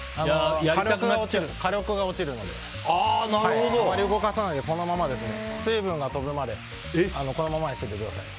火力が落ちるのであんまり動かさないで、このまま水分が飛ぶまでこのままにしておいてください。